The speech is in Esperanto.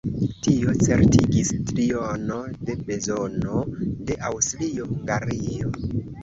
Tio certigis triono de bezono de Aŭstrio-Hungario.